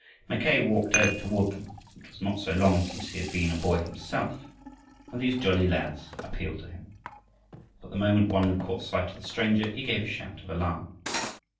Mackay walked over toward them. It was not so long since he had been a boy himself, and these jolly lads appealed to him. But the moment one caught sight of the stranger, he gave a shout of alarm.